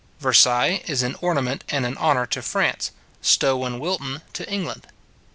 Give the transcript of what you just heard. Versailles is an ornament and an honour to France, Stowe and Wilton to England.